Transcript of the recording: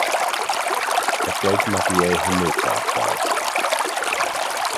Er stellt Mariä Himmelfahrt dar.